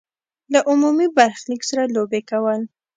له عمومي برخلیک سره لوبې کول.